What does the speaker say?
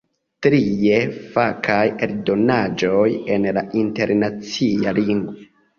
Trie, fakaj eldonaĵoj en la internacia lingvo.